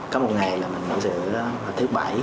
có một ngày là mình mở cửa thứ bảy